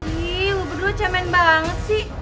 wih lu berdua cemen banget sih